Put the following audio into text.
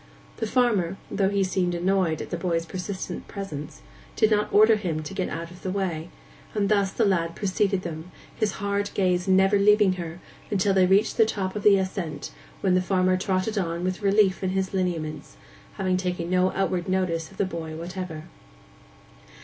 The farmer, though he seemed annoyed at the boy's persistent presence, did not order him to get out of the way; and thus the lad preceded them, his hard gaze never leaving her, till they reached the top of the ascent, when the farmer trotted on with relief in his lineaments—having taken no outward notice of the boy whatever.